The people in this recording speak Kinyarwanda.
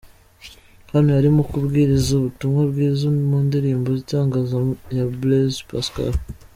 Hano yarimo kubwiriza ubutumwa bwiza mu ndirimbo 'Igitangaza' ya Blaise Pascal.